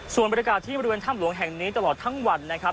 ส่วนบรรยากาศที่บริเวณถ้ำหลวงแห่งนี้ตลอดทั้งวันนะครับ